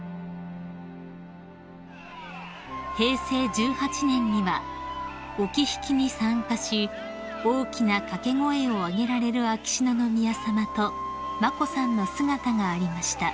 ［平成１８年にはお木曳きに参加し大きな掛け声を上げられる秋篠宮さまと眞子さんの姿がありました］